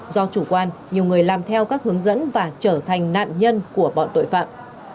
do chủ quan nhiều người làm theo các hướng dẫn và trở thành nạn nhân của bọn tội phạm